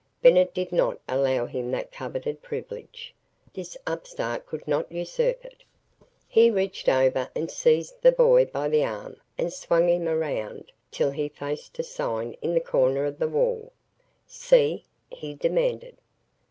Bennett did not allow him that coveted privilege. This upstart could not usurp it. He reached over and seized the boy by the arm and swung him around till he faced a sign in the corner on the wall. "See?" he demanded.